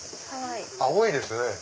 青いですね。